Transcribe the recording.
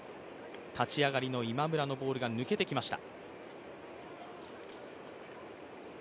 立ち上がりの今村のボールが抜けてきました。